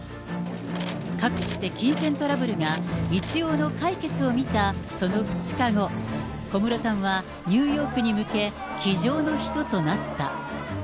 かくして金銭トラブルが一応の解決を見たその２日後、小室さんはニューヨークに向け、機上の人となった。